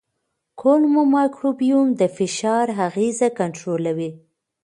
کولمو مایکروبیوم د فشار اغېزه کنټرولوي.